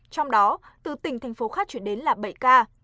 trong đó từ tỉnh thành phố khác chuyển đến là bảy ca